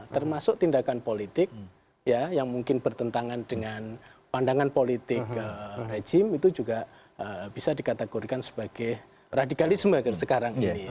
termasuk tindakan politik ya yang mungkin bertentangan dengan pandangan politik rejim itu juga bisa dikategorikan sebagai radikalisme sekarang ini